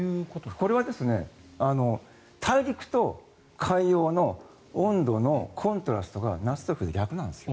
これは大陸と海洋の温度のコントラストが夏と冬で逆なんです。